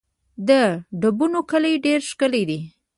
د ډبونو کلی ډېر ښکلی دی